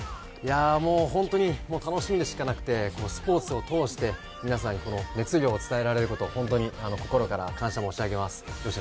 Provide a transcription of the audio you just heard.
もうホントに楽しみでしかなくてスポーツを通して、皆さんに熱量を伝えられること本当に心から感謝申し上げます。